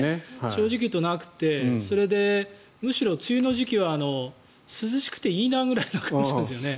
正直言うとなくてそれで、むしろ梅雨の時期は涼しくていいなぐらいな感じなんですよね。